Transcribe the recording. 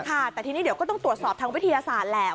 ค่ะแต่ทีนี้เดี๋ยวก็ต้องตรวจสอบทางวิทยาศาสตร์แหละ